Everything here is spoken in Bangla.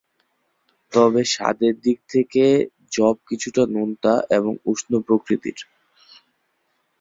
তবে স্বাদের দিক থেকে যব কিছুটা নোনতা এবং উষ্ণ প্রকৃতির।